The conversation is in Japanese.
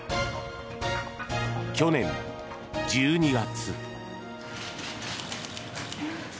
去年１２月。